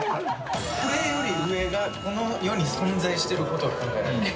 これより上がこの世に存在してることが考えられないうん